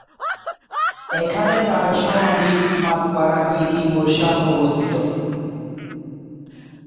এখানে তার সমাধি মাকবারা-ই-তিমুর শাহ অবস্থিত।